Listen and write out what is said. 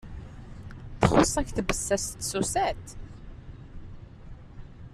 Txus-ak tbessast d tsusat?